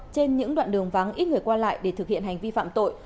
trên những đoạn đường vắng ít người qua lại để thực hiện hành vi phạm tội